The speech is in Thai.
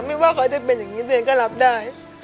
ไม่ว่าค่อยจะเป็นอย่างเนี้ยก็รับได้